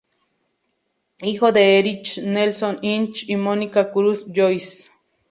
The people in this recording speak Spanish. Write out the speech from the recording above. Hijo de Erich Nelson Inch y Mónica Cruz Joyce.